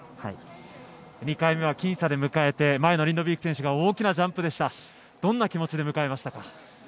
２回目は僅差で迎えて、前のリンドビーク選手が大きなジャンプでしたどんな気持ちで迎えましたか？